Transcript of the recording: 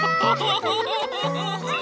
ハハハハハ。